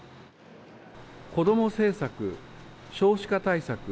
こども政策・少子化対策